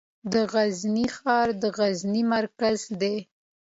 د غزني ښار د غزني مرکز دی